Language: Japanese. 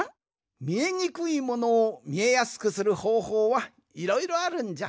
みえにくいものをみえやすくするほうほうはいろいろあるんじゃ。